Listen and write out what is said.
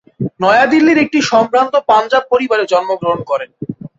নয়া দিল্লিতে তিনি একটি সম্ভ্রান্ত পাঞ্জাব পরিবারে জন্মগ্রহণ করেন।